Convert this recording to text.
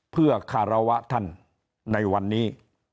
เพื่อคารวะท่านในวันนี้